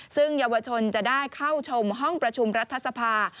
ซึ่งเยาวชนจะได้เข้าชมห้องประชุมรัฐสภา